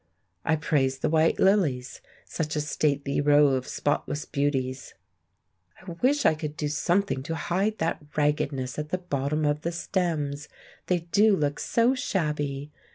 I praise the white lilies—such a stately row of spotless beauty. "I wish I could do something to hide that raggedness at the bottom of the stems. They do look so shabby.